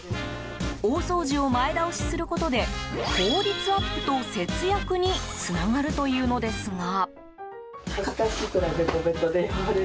大掃除を前倒しすることで効率アップと節約につながるというのですが。